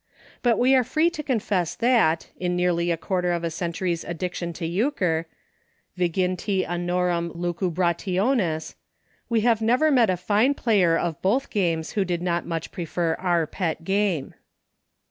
But we are free to confess that, in nearly a quar 30 EUCHRE. ter of a century's addiction to Euchre — viginti annorum lucuhmtiones — we have never met a fine player of both games who did not much prefer our pet game.